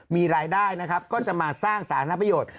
มีรายได้นะครับก็จะมาสร้างสาธารณประโยชน์